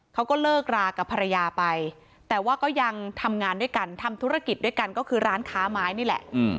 เขาก็เลิกรากับภรรยาไปแต่ว่าก็ยังทำงานด้วยกันทำธุรกิจด้วยกันก็คือร้านค้าไม้นี่แหละ